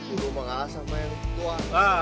kamu mengalah sama yang tua